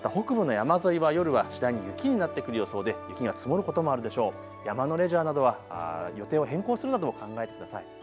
山のレジャーなどは予定を変更するなども考えてください。